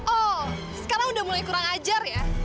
oh sekarang udah mulai kurang ajar ya